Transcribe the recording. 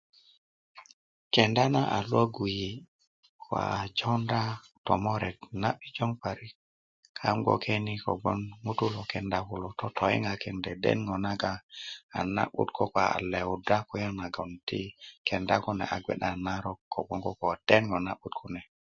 Kenda na a lwöggu yi ko a jowunda tomorate na 'bijong parik kaŋ bgwoke ni kogwon ŋutulu lo kenda kulo totoyiŋakin dende ŋo naga a na'but koko a lewudya kulya nagon ti kenda kune a bgwe a narok kogwon koko den ŋo na'but kune